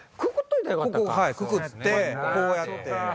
くくってこうやって。